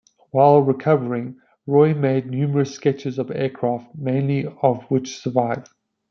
While recovering, Roy made numerous sketches of aircraft - many of which survive.